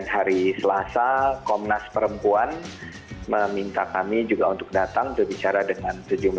hari selasa komnas perempuan meminta kami juga untuk datang untuk bicara dengan sejumlah